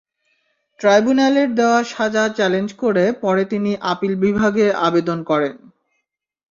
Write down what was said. ট্রাইব্যুনালের দেওয়া সাজা চ্যালেঞ্জ করে পরে তিনি আপিল বিভাগে আবেদন করেন।